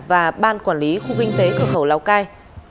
và ban quản lý khu kinh tế cửa khẩu lào cai